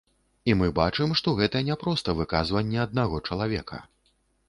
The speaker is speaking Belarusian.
І мы бачым, што гэта не проста выказванне аднаго чалавека.